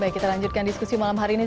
baik kita lanjutkan diskusi malam hari ini